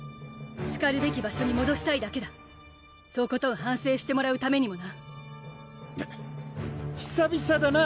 しかるべき場所にもどしたいだけだとことん反省してもらうためにもな久々だな